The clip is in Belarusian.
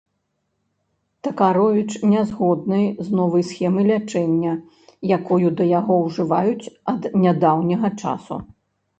Такаровіч не згодны з новай схемай лячэння, якую да яго ўжываюць ад нядаўняга часу.